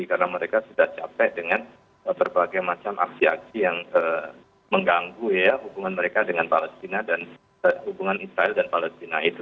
karena mereka sudah capek dengan berbagai macam aksi aksi yang mengganggu ya hubungan mereka dengan palestina dan hubungan israel dan palestina itu